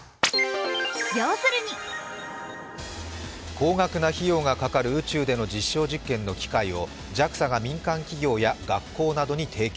高額な費用がかかる宇宙での実証実験の機会をＪＡＸＡが民間企業や学校などに提供。